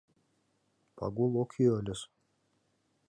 Пагул ок йӱ ыльыс.